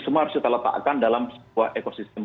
semua harus kita letakkan dalam sebuah ekosistem